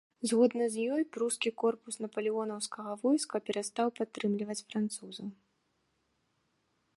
Згодна з ёй прускі корпус напалеонаўскага войска перастаў падтрымліваць французаў.